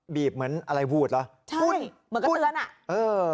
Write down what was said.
เหมือนอะไรวูดเหรอใช่เหมือนกับเตือนอ่ะเออ